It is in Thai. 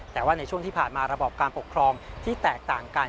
แต่ว่าในช่วงที่ผ่านมาระบอบการปกครองที่แตกต่างกัน